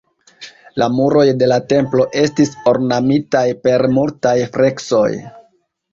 La muroj de la templo estis ornamitaj per multaj freskoj.